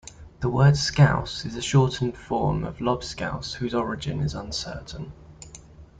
The word "scouse" is a shortened form of "lobscouse", whose origin is uncertain.